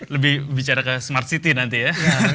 lebih bicara ke smart city nanti ya